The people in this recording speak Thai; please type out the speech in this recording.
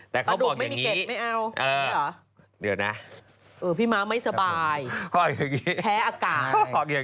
แต่เขาบอกอย่างนี้พี่มาไม่สบายแพ้อากาศ